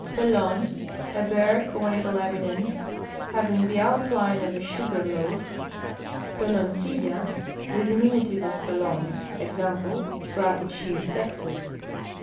J^i'lon. — A bare conical eminence, having the <nitline of a sugar loaf. J^eloncilla. — The diminutive of pelon. Examjile, Brackett sheet, Tt'xas.